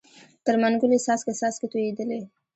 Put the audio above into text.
تر منګول یې څاڅکی څاڅکی تویېدلې